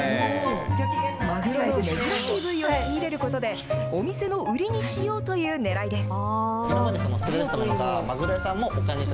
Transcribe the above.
マグロの珍しい部位を仕入れることで、お店の売りにしようというねらいです。